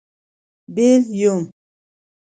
بېل. √ یوم